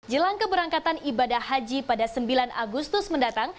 jelang keberangkatan ibadah haji pada sembilan agustus mendatang